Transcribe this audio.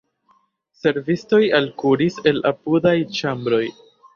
Servistoj alkuris el apudaj ĉambroj.